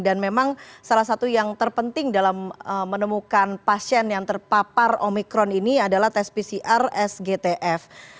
dan memang salah satu yang terpenting dalam menemukan pasien yang terpapar omikron ini adalah tes pcr sgtf